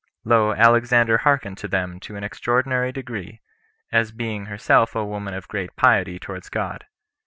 Now Alexandra hearkened to them to an extraordinary degree, as being herself a woman of great piety towards God.